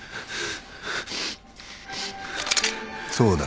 そうだ。